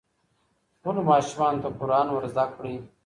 خپلو ماشومانو ته قرآن ور زده کړئ.